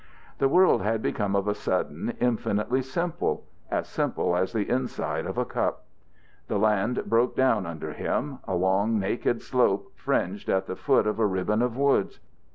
The world had become of a sudden infinitely simple, as simple as the inside of a cup. The land broke down under him, a long, naked slope fringed at the foot of a ribbon of woods.